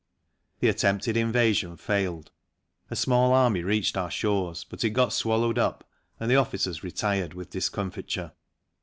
The attempted invasion failed; a small army reached our shores but it got swallowed up and the officers retired with discomfiture.